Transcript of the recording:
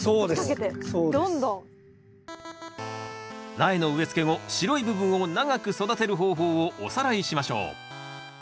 苗の植え付け後白い部分を長く育てる方法をおさらいしましょう。